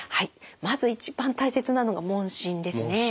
まず一番大切なのが問診ですね。